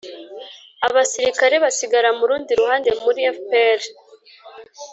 abasirikare basigara mu rundi ruhande muri fpr